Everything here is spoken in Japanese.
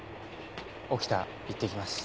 沖田行ってきます。